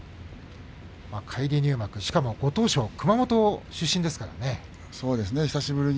返り入幕しかもご当所、熊本出身ですからね。